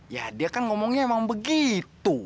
ya dia kan ngomongnya emang begitu